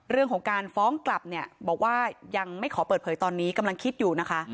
เรื่องของการฟ้องกลับเนี่ยบอกว่ายังไม่ขอเปิดเผยตอนนี้กำลังคิดอยู่นะคะ